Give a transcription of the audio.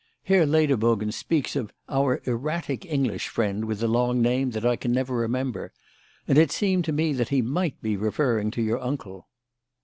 Herr Lederbogen speaks of 'our erratic English friend with the long name that I can never remember,' and it seemed to me that he might be referring to your uncle."